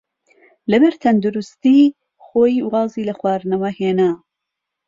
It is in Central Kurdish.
لەبەر تەندروستیی خۆی وازی لە خواردنەوە هێنا.